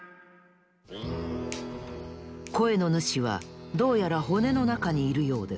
こえのぬしはどうやら骨のなかにいるようです。